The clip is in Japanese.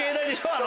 あの。